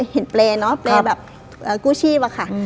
เห็นเปรยเนอะเปรยแบบกู้ชีบอะค่ะ